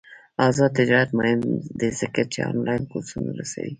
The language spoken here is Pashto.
آزاد تجارت مهم دی ځکه چې آنلاین کورسونه رسوي.